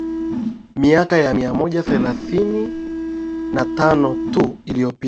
Miaka ya mia moja thelathini na tano tu iliyopita